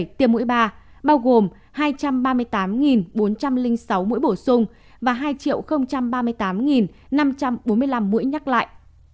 cơ sở thu dung điều trị của thành phố là hai trăm ba mươi tám bốn trăm linh sáu mũi bổ sung và hai ba mươi tám năm trăm bốn mươi năm mũi nhắc lại